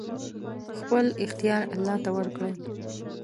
خپل اختيار الله ته ورکړئ!